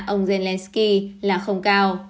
ông zelensky là không cao